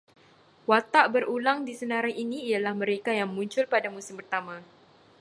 Watak berulang di senarai ini ialah mereka yang muncul pada musim pertama